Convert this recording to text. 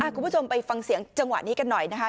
คุณผู้ชมไปฟังเสียงจังหวะนี้กันหน่อยนะคะ